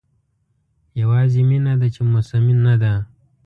یوازې مینه ده چې موسمي نه ده.